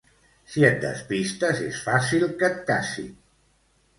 Si et despistes és fàcil que et cacin!